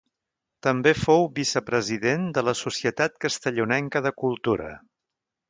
També fou vicepresident de la Societat Castellonenca de Cultura.